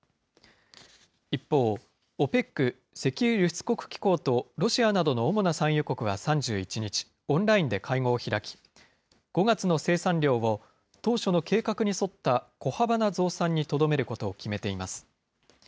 一方、ＯＰＥＣ・石油輸出国機構とロシアなどの主な産油国は３１日、オンラインで会合を開き、５月の生産量を当初の計画に沿った小幅な増産にとどめることを決めています。